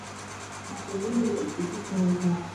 matembele yakipikwa huiva haraka